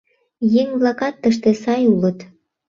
Еҥ-влакат тыште сай улыт.